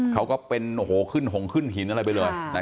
เขาก็เป็นขึ้นหงขึ้นหินอะไรไปเลย